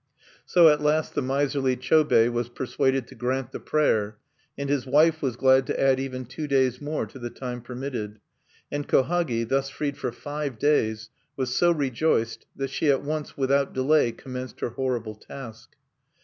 So at last the miserly Chobei was persuaded to grant the prayer; and his wife was glad to add even two days more to the time permitted. And Kohagi, thus freed for five days, was so rejoiced that she at once without delay commenced her horrible task.